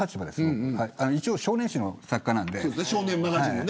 一応少年誌の作家なので。